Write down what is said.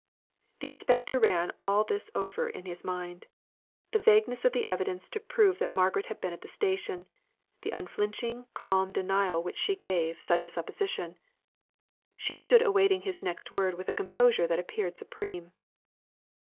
The inspector ran all this over in his mind the vagueness of the evidence to prove that Margaret had been at the station the unflinching, calm denial which she gave to such a supposition. She stood awaiting his next word with a composure that appeared supreme.